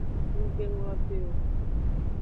Nggbe nglongbe o.